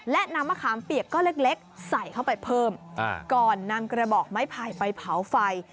และนำมะขามเปียกก้อนเล็กใส่เข้าไปเพิ่มก่อนนำกระบอกไม้ไผ่ไปเผาไฟ